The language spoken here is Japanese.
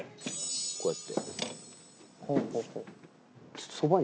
こうやって。